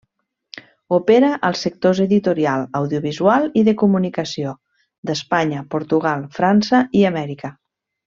Opera als sectors editorial, audiovisual i de comunicació d'Espanya, Portugal, França i Amèrica.